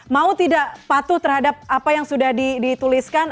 mau tidak patuh terhadap apa yang sudah dituliskan